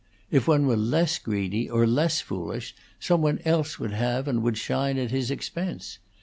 If one were less greedy or less foolish, some one else would have and would shine at his expense.